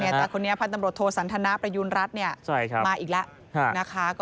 แต่คนนี้พระตำรวจโทษภัญญาณสรรทนาประยุณรัฐมาอีกแล้ว